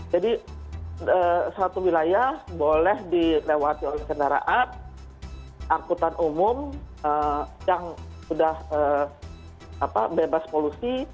jadi satu wilayah boleh dilewati oleh kendaraan angkutan umum yang sudah bebas polusi